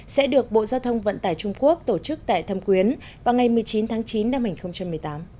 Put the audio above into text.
sẽ được bộ giao thông vận tải trung quốc tổ chức tại thâm quyến vào ngày một mươi chín tháng chín năm hai nghìn một mươi tám